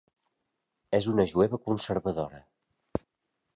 És una jueva conservadora.